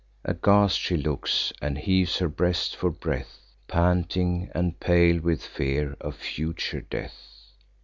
Aghast she looks, and heaves her breast for breath, Panting, and pale with fear of future death.